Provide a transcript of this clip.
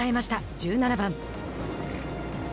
１７番。